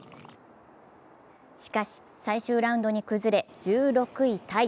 しかし最終ラウンドに崩れ１６位タイ。